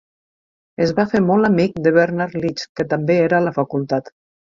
Es va fer molt amic de Bernard Leach, que també era a la facultat.